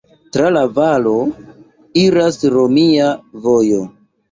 Tra la valo iras romia vojo.